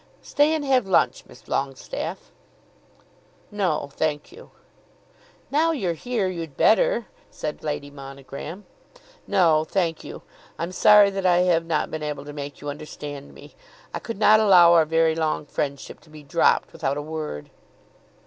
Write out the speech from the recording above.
Stay and have lunch, Miss Longestaffe." "No, thank you." "Now you're here, you'd better," said Lady Monogram. "No, thank you. I'm sorry that I have not been able to make you understand me. I could not allow our very long friendship to be dropped without a word."